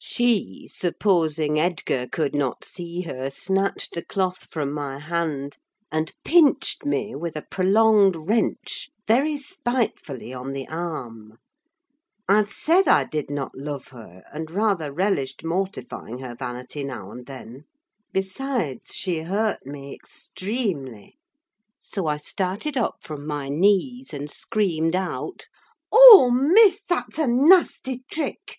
She, supposing Edgar could not see her, snatched the cloth from my hand, and pinched me, with a prolonged wrench, very spitefully on the arm. I've said I did not love her, and rather relished mortifying her vanity now and then: besides, she hurt me extremely; so I started up from my knees, and screamed out, "Oh, Miss, that's a nasty trick!